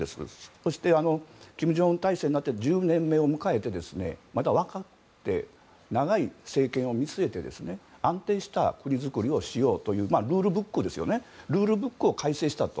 そして、金正恩体制になって１０年目を迎えてまだ分かって長い政権を見据えて安定した国づくりをしようというルールブックを改正したと。